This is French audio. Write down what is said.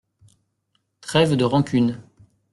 Trêve de rancunes.